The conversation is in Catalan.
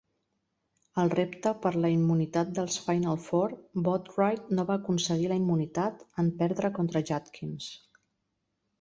Al repte per la immunitat dels Final Four, Boatwright no va aconseguir la immunitat, en perdre contra Judkins.